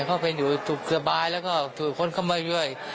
เขาเป็นอยู่สุขสบายแล้วก็ถูกคนเข้ามาด้วย